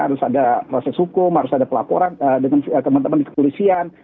harus ada proses hukum harus ada pelaporan dengan teman teman di kepolisian